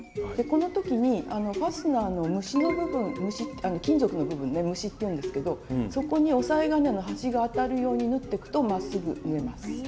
この時にファスナーの務歯の部分金属の部分務歯っていうんですけどそこに押さえ金の端が当たるように縫っていくとまっすぐ縫えます。